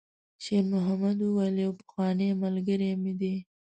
شېرمحمد وویل: «یو پخوانی ملګری مې دی.»